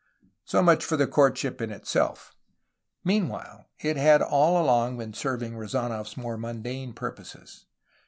So much for the courtship in itself. Meanwhile, it had all along been serving Rezanof 's more mundane purposes.